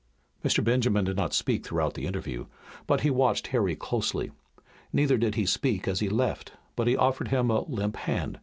Mr. Benjamin did not speak throughout the interview, but he watched Harry closely. Neither did he speak when he left, but he offered him a limp hand.